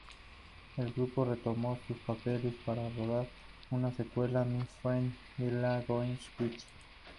El grupo retomó sus papeles para rodar una secuela, "My Friend Irma Goes West".